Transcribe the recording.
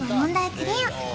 クリア